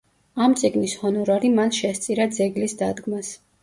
ამ წიგნის ჰონორარი მან შესწირა ძეგლის დადგმას.